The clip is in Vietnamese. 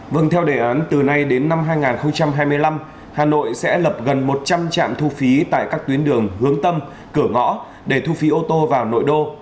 vâng theo đề án từ nay đến năm hai nghìn hai mươi năm hà nội sẽ lập gần một trăm linh trạm thu phí tại các tuyến đường hướng tâm cửa ngõ để thu phí ô tô vào nội đô